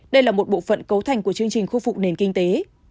đây là một bộ phận cấu thành của chương trình khôi phục nền kinh tế